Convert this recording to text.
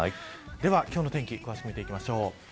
では今日の天気詳しく見ていきましょう。